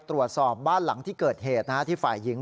ตรวจสอบบ้านหลังที่เกิดเหตุที่ฝ่ายหญิง